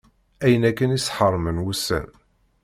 Ayen akken i s-ḥeṛmen wussan.